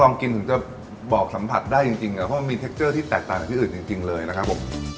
กินถึงจะบอกสัมผัสได้จริงเพราะมันมีเทคเจอร์ที่แตกต่างจากที่อื่นจริงเลยนะครับผม